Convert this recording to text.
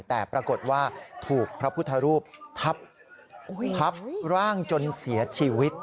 แต่ปรากฏว่าถูกพระพุทธรูปทับร่างจนเสียชีวิต